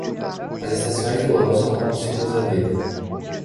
As estações do ano são como os ciclos da vida